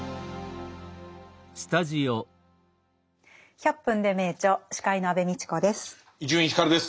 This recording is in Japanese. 「１００分ｄｅ名著」司会の安部みちこです。